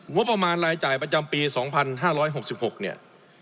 งบประมาณรายจ่ายประจำปี๒๕๖๖เนี่ย